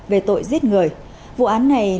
về tội giết người vụ án này